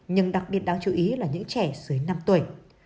nhưng đặc biệt đáng chú ý là những trẻ dưới năm tuổi